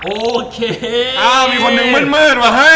โอเคอ้าวมีคนหนึ่งมืดมืดวะฮะ